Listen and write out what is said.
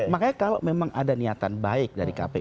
makanya kalau memang ada niatan baik dari kpu